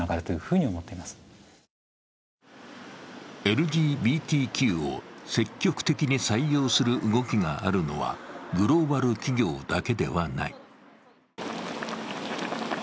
ＬＧＢＴＱを積極的に採用する動きがあるのはグローバル企業だけではない。